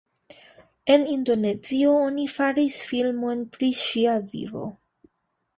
En Indonezio oni faris filmon pri ŝia vivo.